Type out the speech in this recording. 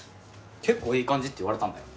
結構いい感じって言われたんだよ。